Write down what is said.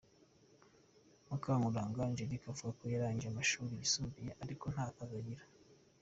Mukankuranga Angelique avuga ko yarangije amashuri yisumbuye ariko nta kazi agira.